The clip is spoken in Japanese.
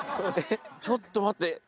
ちょっと待って。